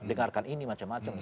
dengarkan ini macam macam